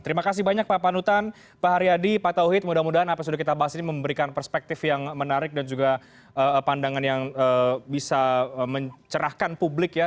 terima kasih banyak pak panutan pak haryadi pak tauhid mudah mudahan apa sudah kita bahas ini memberikan perspektif yang menarik dan juga pandangan yang bisa mencerahkan publik ya